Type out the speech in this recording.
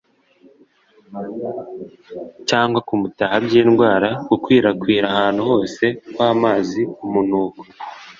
cyangwa kumutaha by’indwara; gukwirakwira ahantu hose kw’amazi, umunuko